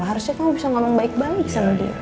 harusnya kamu bisa ngomong baik baik sama dia